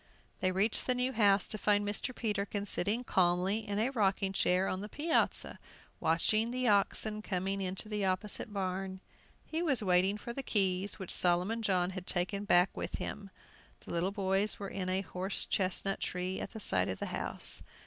They reached the new house to find Mr. Peterkin sitting calmly in a rocking chair on the piazza, watching the oxen coming into the opposite barn. He was waiting for the keys, which Solomon John had taken back with him. The little boys were in a horse chestnut tree, at the side of the house.